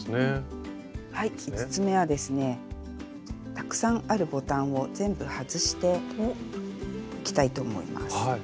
たくさんあるボタンを全部外していきたいと思います。